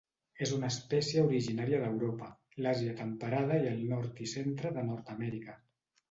És una espècie originària d'Europa, l'Àsia temperada i el nord i centre de Nord-amèrica.